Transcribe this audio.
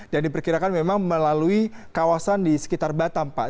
dan diperkirakan memang melalui kawasan di sekitar batam pak